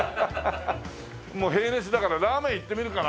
もう平熱だからラーメンいってみるかな。